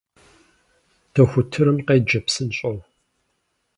Дохутырым къеджэ псынщӏэу!